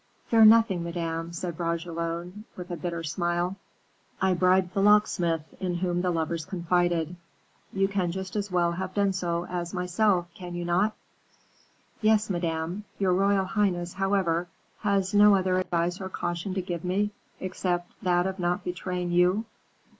"Fear nothing, Madame," said Bragelonne, with a bitter smile. "I bribed the locksmith, in whom the lovers confided. You can just as well have done so as myself, can you not?" "Yes, Madame. Your royal highness, however, has no other advice or caution to give me, except that of not betraying you?"